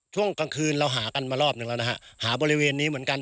ช่วงกลางคืนเราหากันมารอบหนึ่งแล้วนะฮะหาบริเวณนี้เหมือนกัน